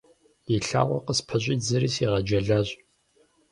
И лъакъуэр къыспэщӏидзри, сигъэджэлащ.